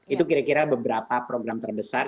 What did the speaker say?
itu kira kira beberapa program terbesar